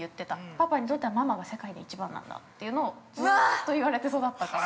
パパにとっては、ママが世界で一番なんだっていうのをずうっと言われて育ったから。